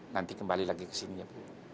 nanti kembali lagi ke sini ya bu